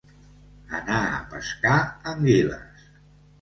Anar a pescar anguiles.